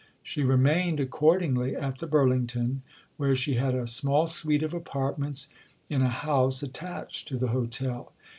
She remained, accordingly, at the Burlington, where she had a small suite of apartments in a house attached to the hotel.